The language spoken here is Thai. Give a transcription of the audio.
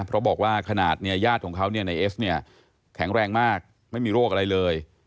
เพราะบอกว่าขณะเนี่ยญาติของเขาเนี่ยไอ้ครั้งแหลงมากไม่มีโรคอะไรเลย